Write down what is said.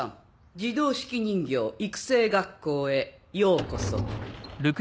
自動手記人形育成学校へようこそ。